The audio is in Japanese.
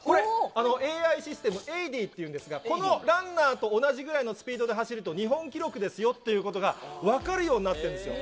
東京マラソンでのＡＩＣＧ、実はこれ、ＡＩシステム、エイディっていうんですが、このランナーと同じぐらいのスピードで走ると日本記録ですよっていうのが分かるようになってるんですよ。